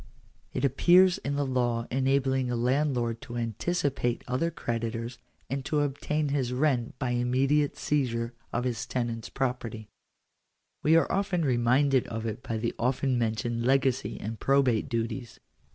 It appears in the law enabling a landlord to anticipate other creditors, and to obtain his rent by immediate seizure of his tenant's property. We are re minded of it by the often mentioned legacy and probate duties.